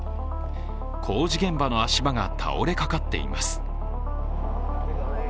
工事現場の足場が倒れかかっています。